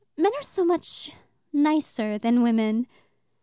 Men are so much nicer than women."